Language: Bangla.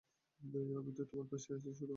আমি তোমার পাশেই আছি, সোনা!